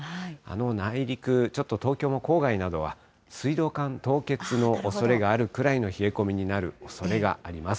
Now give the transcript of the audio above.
内陸、東京の郊外などは水道管凍結のおそれがあるくらいの冷え込みになるおそれがあります。